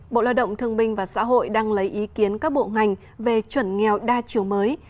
bộ lao động thương binh và xã hội đang lấy ý kiến các bộ ngành về chuẩn nghèo đa chiều mới